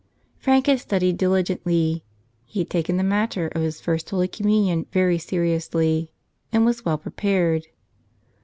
Frank had studied diligently. He had taken the matter of his First Holy Com¬ munion very seriously and was well prepared.